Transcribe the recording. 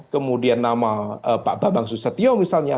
kemudian nama pak babang susetio misalnya